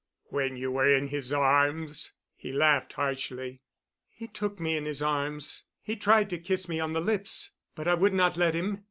"When you were in his arms?" He laughed harshly. "He took me in his arms. He tried to kiss me on the lips, but I would not let him.